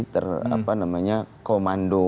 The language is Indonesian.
ter apa namanya komando